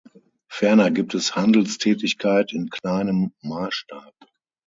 Ferner gibt es Handelstätigkeit in kleinem Maßstab.